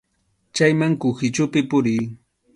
Chayman kuhichupi puriy.